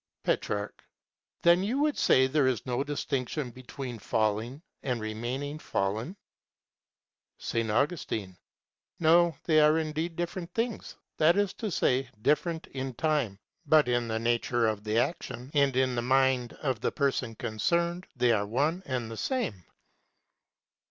Petrarch. Then you would say there is no distinction between falling and remaining fallen? S. Augustine. No, they are indeed different things; that is to say, different in time, but in the nature of the action and in the mind of the person concerned they are one and the same.